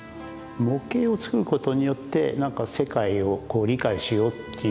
模型を作ることによって何か世界をこう理解しようという。